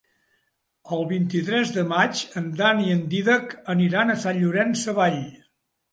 El vint-i-tres de maig en Dan i en Dídac aniran a Sant Llorenç Savall.